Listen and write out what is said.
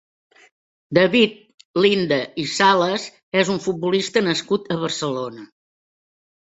David Linde i Sales és un futbolista nascut a Barcelona.